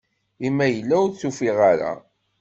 I ma yella ur tt-ufiɣ ara?